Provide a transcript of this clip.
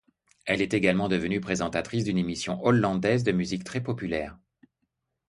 Elle est également devenue présentatrice d'une émission hollandaise de musique très populaire.